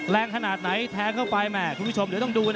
แรงขนาดไหนแท้เข้าไปแหม